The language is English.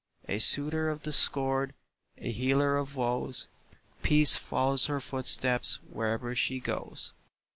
A soother of discord, a healer of woes, Peace follows her footsteps wherever she goes.